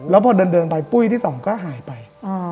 แล้วพอเดินไปปุ้ยที่สองก็หายไป